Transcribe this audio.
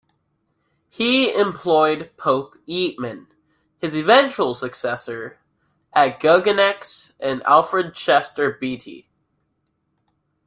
He employed Pope Yeatman, his eventual successor at Guggenex, and Alfred Chester Beatty.